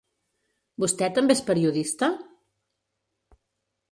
Vostè també és periodista?